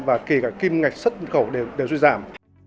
và kể cả kim ngạch xuất khẩu đều đều duyên giảm